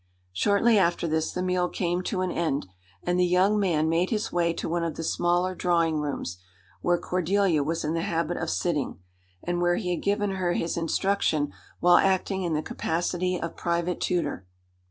Shortly after this the meal came to an end, and the young man made his way to one of the smaller drawing rooms, where Cordelia was in the habit of sitting, and where he had given her his instruction while acting in the capacity of private tutor.